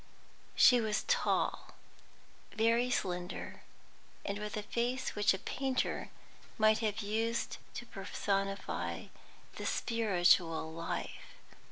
She was tall, very slender, and with a face which a painter might have used to personify the spiritual life.